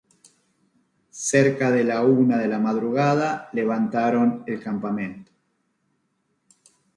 Cerca de la una de la madrugada levantaron el campamento.